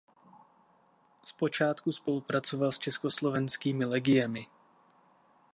Zpočátku spolupracoval s československými legiemi.